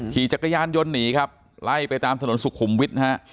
ขี่จักรยานยนต์หนีครับไล่ไปตามถนนสุขุมวิทย์นะฮะ